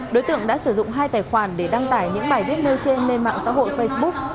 đối tượng đã sử dụng hai tài khoản để đăng tải những bài viết nêu trên lên mạng xã hội facebook